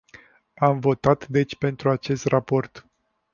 Am votat deci pentru acest raport.